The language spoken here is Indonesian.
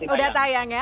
udah tayang ya